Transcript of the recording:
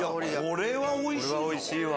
これはおいしいぞ！